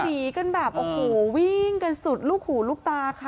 หนีกันแบบโอ้โหวิ่งกันสุดลูกหูลูกตาค่ะ